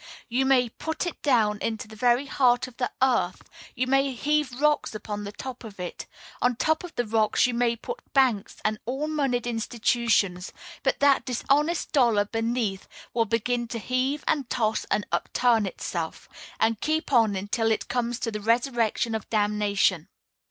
You may put it down into the very heart of the earth; you may heave rocks upon the top of it; on top of the rocks you may put banks and all moneyed institutions, but that dishonest dollar beneath will begin to heave and toss and upturn itself, and keep on until it comes to the resurrection of damnation.